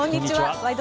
「ワイド！